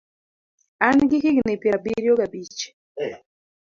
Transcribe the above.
An gi higni piero abiriyo gabich.